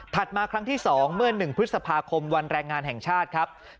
มาครั้งที่๒เมื่อ๑พฤษภาคมวันแรงงานแห่งชาติครับ